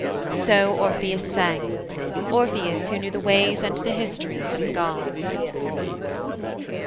So Orpheus sang, Orpheus who knew the ways and the histories of the gods.